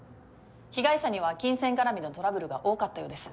被害者には金銭絡みのトラブルが多かったようです。